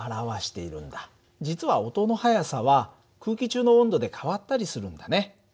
実は音の速さは空気中の温度で変わったりするんだね。